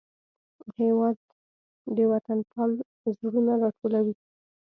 هېواد د وطنپال زړونه راټولوي.